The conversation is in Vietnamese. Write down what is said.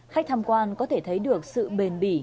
khách tham quan có thể thấy được sự bền bỉ